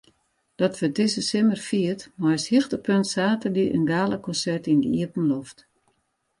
Dat wurdt dizze simmer fierd mei as hichtepunt saterdei in galakonsert yn de iepenloft.